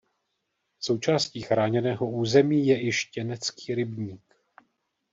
Součástí chráněného území je i Štěnecký rybník.